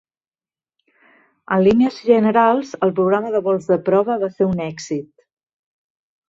En línies generals, el programa de vols de prova va ser un èxit.